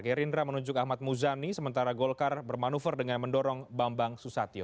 gerindra menunjuk ahmad muzani sementara golkar bermanuver dengan mendorong bambang susatyo